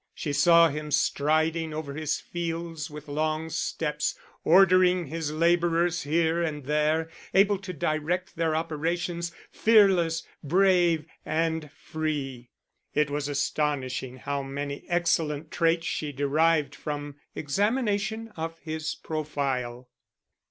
She saw him striding over his fields with long steps, ordering his labourers here and there, able to direct their operations, fearless, brave, and free. It was astonishing how many excellent traits she derived from examination of his profile.